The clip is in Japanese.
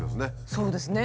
そうですね。